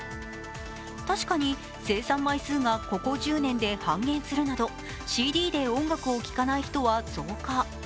確かに、生産枚数がここ１０年で半減するなどＣＤで音楽を聴かない人は増加。